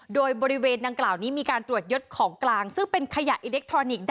โดยบริเวณดังกล่าวนี้มีการตรวจยดของกลางซึ่งเป็นขยะอิเล็กทรอนิกส์